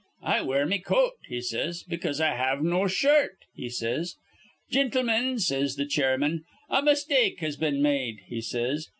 'I wear me coat,' he says, 'because I have no shirt,' he says. 'Gintlemen,' says th' chairman, 'a mistake has been made,' he says.